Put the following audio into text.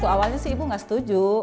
awalnya sih ibu nggak setuju